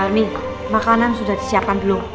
nih makanan sudah disiapkan belum